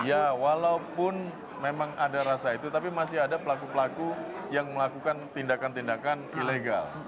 ya walaupun memang ada rasa itu tapi masih ada pelaku pelaku yang melakukan tindakan tindakan ilegal